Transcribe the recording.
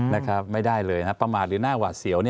นะครับไม่ได้เลยนะครับประมาทหรือหน้าหวาดเสียว